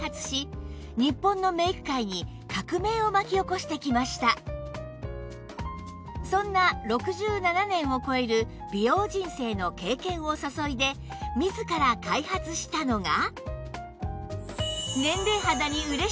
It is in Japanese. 小林さんは以来そんな６７年を超える美容人生の経験を注いで自ら開発したのが